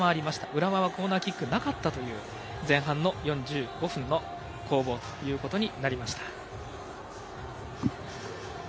浦和はコーナーキックがなかったという前半の４５分の攻防ということになりました。